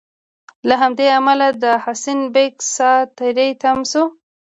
له همدې امله د حسین بېګ سا تری تم شوه.